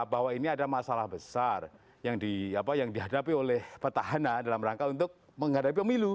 bahwa ini ada masalah besar yang dihadapi oleh petahana dalam rangka untuk menghadapi pemilu